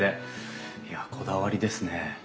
いやこだわりですね。